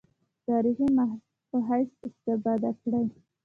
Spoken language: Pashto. تاریخي مأخذ په حیث استفاده کړې.